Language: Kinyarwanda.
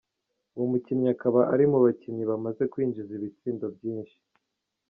Uwo mukinyi akaba ari mu bakinyi bamaze kwinjiza ibitsindo vyinshi.